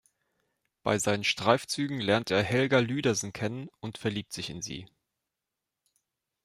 Bei seinen Streifzügen lernt er Helga Lüdersen kennen und verliebt sich in sie.